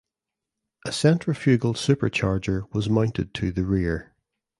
A centrifugal supercharger was mounted to the rear.